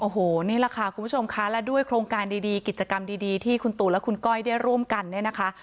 โอ้โหนี่แหละค่ะคุณผู้ชมคะและด้วยโครงการดีกิจกรรมดีที่คุณตูนและคุณก้อยได้ร่วมกันเนี่ยนะคะ